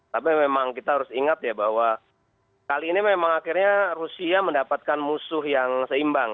tapi memang kita harus ingat ya bahwa kali ini memang akhirnya rusia mendapatkan musuh yang seimbang